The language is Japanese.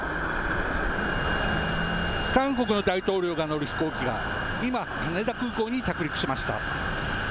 韓国の大統領が乗る飛行機が今、羽田空港に着陸しました。